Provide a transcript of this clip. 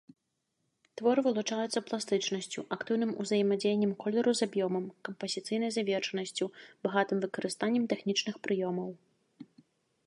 Творы вылучаюцца пластычнасцю, актыўным узаемадзеяннем колеру з аб'ёмам, кампазіцыйнай завершанасцю, багатым выкарыстаннем тэхнічных прыёмаў.